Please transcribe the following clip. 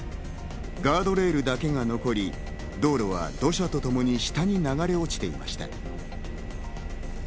ガードレールだけが残り、道路は土砂とともに下に流れ落ちていました。